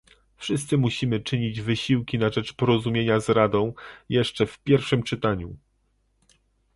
Wszyscy musimy czynić wysiłki na rzecz porozumienia z Radą, jeszcze w pierwszym czytaniu